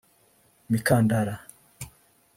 imikandara